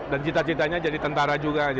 dan cita citanya jadi tentara juga